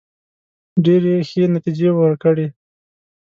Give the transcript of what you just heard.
ډېري ښې نتیجې وورکړې.